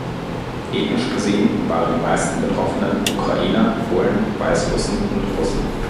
Ethnisch gesehen waren die meisten Betroffenen Ukrainer, Polen, Weißrussen und Russen.